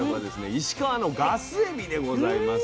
石川のガスエビでございます。